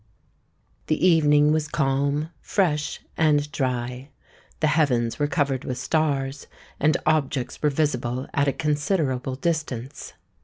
The evening was calm, fresh, and dry: the heavens were covered with stars; and objects were visible at a considerable distance.